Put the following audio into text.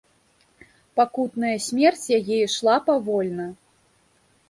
Пакутная смерць яе ішла павольна.